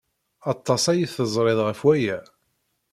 Aṭas ay teẓrid ɣef waya.